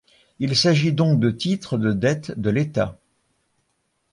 Il s'agit donc de titres de dette de l'État.